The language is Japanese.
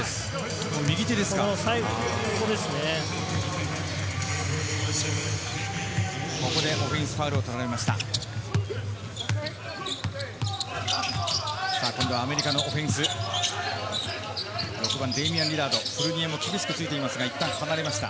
ここでオフェンスファウルを取られました。